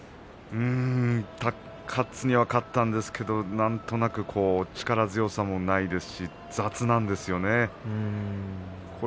勝つには勝ったんですがなんとなくね力強さがありませんし雑なんですよね、高安は。